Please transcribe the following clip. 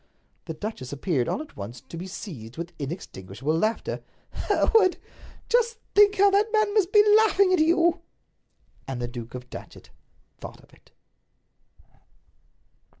The duchess appeared, all at once, to be seized with inextinguishable laughter. "Hereward," she cried, "just think how that man must be laughing at you!" And the Duke of Datchet thought of it.